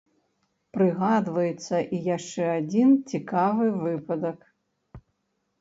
Прыгадваецца і яшчэ адзін цікавы выпадак.